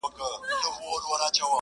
ځوان ولاړ سو؛